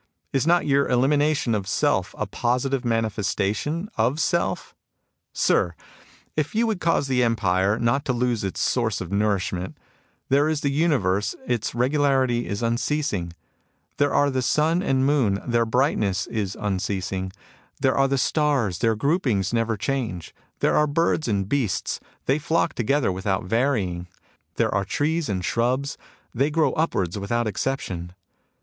Is not your elimination of self a positive manifestation of self ? Sir, if you would cause the empire not to lose its source of nourishment, — there is the universe, its regularity is unceasing ; there are the sun and tnoon, their brightness is unceasing ; there are the stars, their groupings never change ; there are birds and beasts, they flock together without varying ; there are trees and shrubs, they grow upwards without exception.